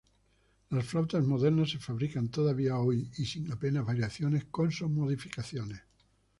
Las flautas modernas se fabrican, todavía hoy y sin apenas variaciones, con sus modificaciones.